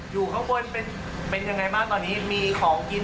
อยู่ข้างบนเป็นยังไงบ้างตอนนี้มีของกิน